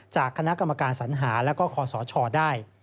จากคณะกรรมการสัญหาแล้วก็คอสชได้